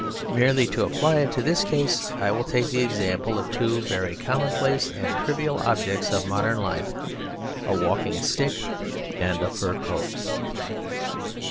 Merely to apply it to this case, I will take the example of two very commonplace and trivial objects of modern life a walking stick and a fur coat.